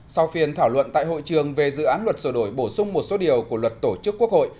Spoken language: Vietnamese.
sau phiên thảo luận tại hội trường về dự án luật sửa đổi bổ sung một số điều của luật tổ chức quốc hội